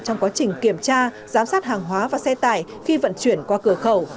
trong quá trình kiểm tra giám sát hàng hóa và xe tải khi vận chuyển qua cửa khẩu